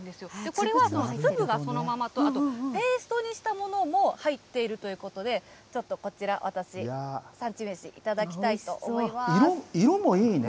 これは粒がそのままと、あとペーストにしたものも入っているということで、ちょっとこちら私、産地めし、色もいいね。